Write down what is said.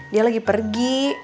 dia lagi pergi